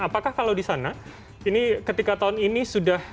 apakah kalau di sana ini ketika tahun ini sudah